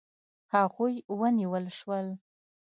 هغوی ونیول شول.